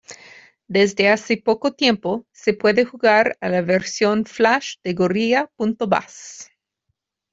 Desde hace poco tiempo se puede jugar a la versión Flash de Gorilla.bas.